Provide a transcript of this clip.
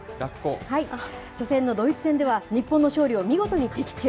初戦のドイツ戦では、日本の勝利を見事に的中。